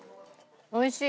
おいしい。